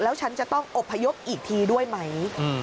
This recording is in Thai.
แล้วฉันจะต้องอบพยพอีกทีด้วยไหม